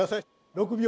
６秒。